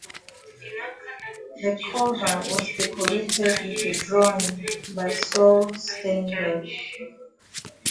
The cover was decorated with a drawing by Saul Steinberg.